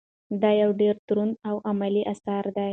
دا یو ډېر دروند او علمي اثر دی.